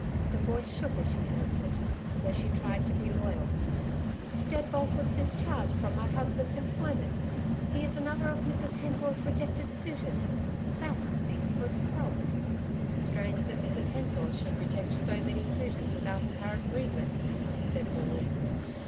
Her voice shook as she answered, though she tried to be loyal: 'Steadbolt was discharged from my husband's employment. He is another of Mrs Hensor's rejected suitors. That speaks for itself.' 'Strange that Mrs Hensor should reject so many suitors without apparent reason,' said Maule.